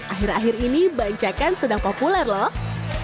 akhir akhir ini banjakan sedang populer lho